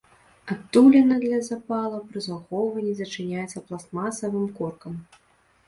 Адтуліна для запала пры захоўванні зачыняецца пластмасавым коркам.